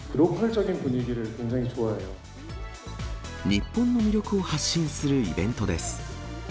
日本の魅力を発信するイベントです。